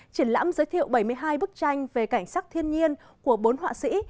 triển lãm giới thiệu bảy mươi hai bức tranh về cảnh sắc thiên nhiên của bốn họa sĩ